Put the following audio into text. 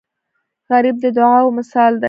غریب د دعاو مثال دی